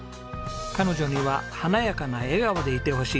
「彼女には華やかな笑顔でいてほしい」。